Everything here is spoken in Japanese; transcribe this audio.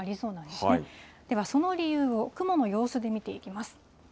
ではその理由を、雲の様子で見ていきます。